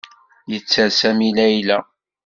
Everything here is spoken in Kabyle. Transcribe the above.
Yetter Sami Layla.